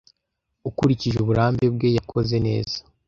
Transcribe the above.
Ukurikije uburambe bwe, yakoze neza.